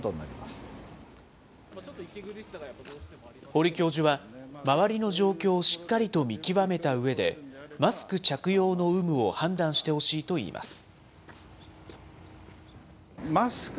堀教授は、周りの状況をしっかりと見極めたうえで、マスク着用の有無を判断してほしいといいます。